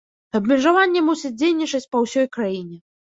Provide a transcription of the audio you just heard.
Абмежаванне мусіць дзейнічаць па ўсёй краіне.